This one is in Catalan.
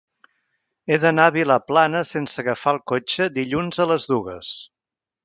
He d'anar a Vilaplana sense agafar el cotxe dilluns a les dues.